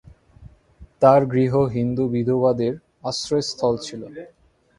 তার গৃহ হিন্দু-বিধবাদের আশ্রয়স্থল ছিল।